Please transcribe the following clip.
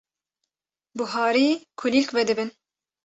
Buharî kulîlk vedibin.